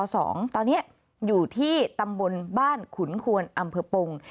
ตอนนี้อยู่ที่ตำบลบ้านขุนควนอำเภอปง